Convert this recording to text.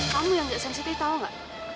kamu yang gak sensitif tau gak